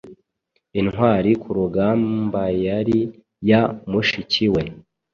Intwari kurugambayari ya mushiki we